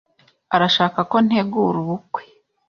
arashaka ko ntegura ubukwe.